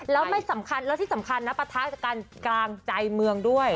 แล้วไม่สำคัญแล้วที่สำคัญนะปะทะจากการกลางใจเมืองด้วย